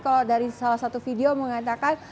kalau dari salah satu video mengatakan